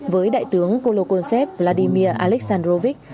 với đại tướng kolokoltsev vladimir alexandrovich